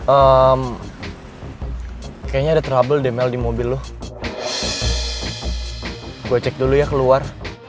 ehm kayaknya ada trouble demel di mobil loh gue cek dulu ya keluar